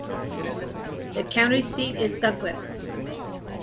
The county seat is Douglas.